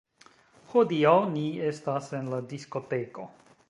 Hodiaŭ ni estis en la diskoteko